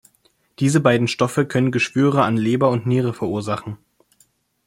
Diese beiden Stoffe können Geschwüre an Leber und Niere verursachen.